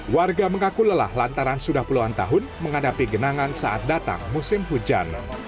warga mengaku lelah lantaran sudah puluhan tahun menghadapi genangan saat datang musim hujan